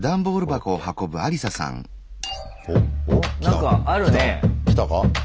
何かあるね。